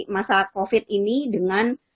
masa covid ini dengan